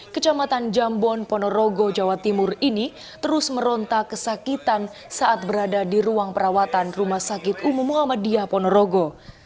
kecamatan jambon ponorogo jawa timur ini terus meronta kesakitan saat berada di ruang perawatan rumah sakit umum muhammadiyah ponorogo